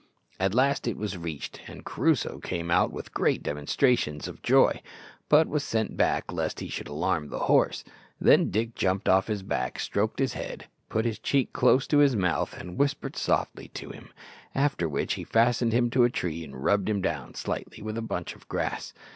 At last it was reached, and Crusoe came out with great demonstrations of joy, but was sent back lest he should alarm the horse. Then Dick jumped off his back, stroked his head, put his cheek close to his mouth and whispered softly to him, after which he fastened him to a tree and rubbed him down slightly with a bunch of grass.